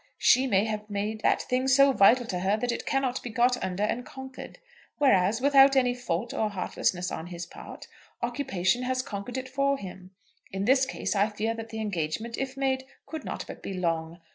She may have made that thing so vital to her that it cannot be got under and conquered; whereas, without any fault or heartlessness on his part, occupation has conquered it for him. In this case I fear that the engagement, if made, could not but be long.